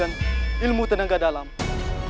hamba tidak mampu membukanya gusti ratu